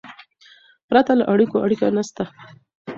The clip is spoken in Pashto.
پرته له اړیکو، اړیکه نسته.